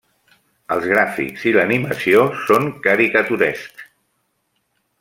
Els gràfics i l'animació són caricaturescs.